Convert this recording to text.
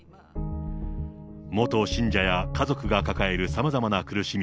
元信者や家族が抱えるさまざまな苦しみ。